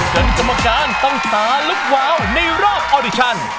เกินกรรมการต้องต่าลึกวาวในรอบออออดิชัน